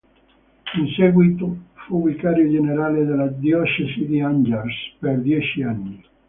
In seguito fu vicario generale della diocesi di Angers per dieci anni.